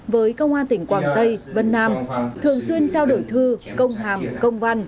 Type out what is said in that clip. với công an tỉnh quảng tây vân nam thường xuyên trao đổi thư công hàm công văn